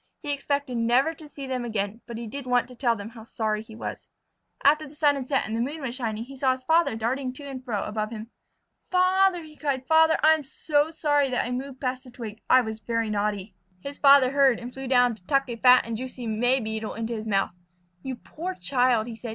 He expected never to see them again, but he did want to tell them how sorry he was. After the sun had set and the moon was shining, he saw his father darting to and fro above him. "Father!" he cried. "Father, I am so sorry that I moved past the twig. I was very naughty." His father heard and flew down to tuck a fat and juicy May Beetle into his mouth. "You poor child!" said he.